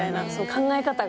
考え方が。